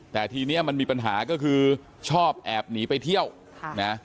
แต่ทีนี้มันมีปัญหาก็คือชอบแอบหนีไปเที่ยวค่ะนะ